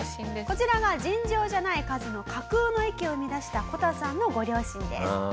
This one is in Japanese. こちらが尋常じゃない数の架空の駅を生み出したこたさんのご両親です。